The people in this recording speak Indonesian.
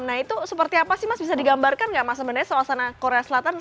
nah itu seperti apa sih mas bisa digambarkan nggak mas sebenarnya suasana korea selatan